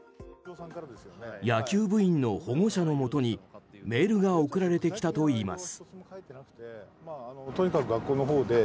野球部員の保護者のもとにメールが送られてきたといいます。